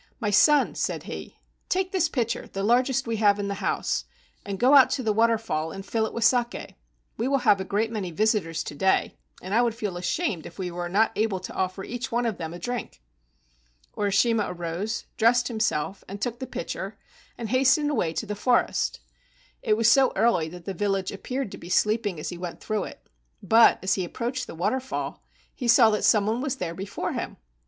"My son," said he, "take this pitcher, the largest we have in the house, and go out to the waterfall and fill it with saki. We will have a great many visitors to day, and I would feel ashamed if we were not able to offer each one of them a drink." Urishima arose, dressed himself, and took the 153 THE ENCHANTED WATERFALL pitcher, and hastened away to the forest. It was so early that the village appeared to be sleeping as he went through it, but as he ap¬ proached the waterfall he saw that some one was there before him.